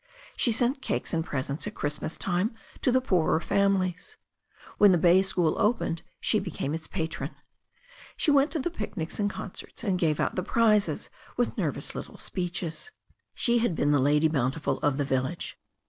She sent cakes and presents at Christmas time to the poorer families. When the bay school opened she became its patron. She went to the picnics and concerts, and gave out the prizes with nervous little speeches. She had been the Lady Bountiful of the village.